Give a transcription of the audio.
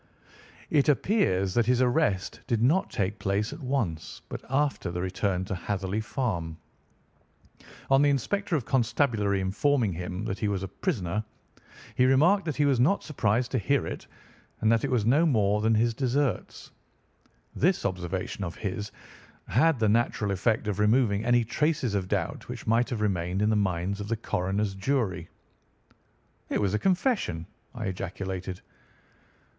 "It appears that his arrest did not take place at once, but after the return to Hatherley Farm. On the inspector of constabulary informing him that he was a prisoner, he remarked that he was not surprised to hear it, and that it was no more than his deserts. This observation of his had the natural effect of removing any traces of doubt which might have remained in the minds of the coroner's jury." "It was a confession," I ejaculated.